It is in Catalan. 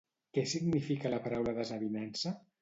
Què significa la paraula desavinença?